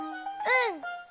うん。